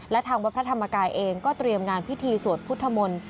และทางวัดพระธรรมกายเองก็เตรียมงานพิธีสวดพุทธมนต์